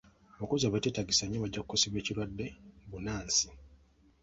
Abakozi abateetaagisa nnyo bajja kukosebwa ekirwadde bbunansi.